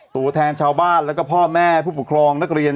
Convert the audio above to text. ตัวแทนชาวบ้านแล้วก็พ่อแม่ผู้ปกครองนักเรียน